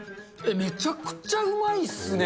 めちゃくちゃうまいっすね。